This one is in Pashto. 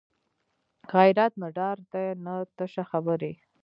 غیرت نه ډار دی نه تشه خبرې